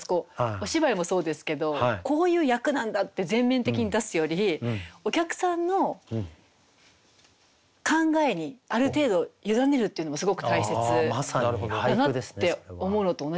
お芝居もそうですけどこういう役なんだって全面的に出すよりお客さんの考えにある程度委ねるっていうのもすごく大切だなって思うのと同じだなと思いました。